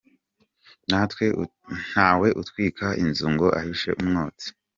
Ntawe utwika inzu ngo ahishe umwotsi.